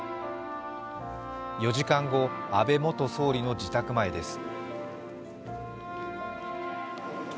４時間後、安倍元総理の自宅前です。